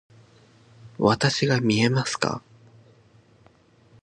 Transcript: わたしが見えますか？